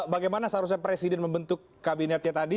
bagaimana seharusnya presiden membentuk kabinetnya tadi